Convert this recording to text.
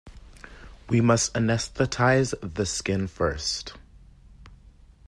We must anaesthetize the skin first.